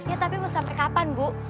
ya tapi sampai kapan bu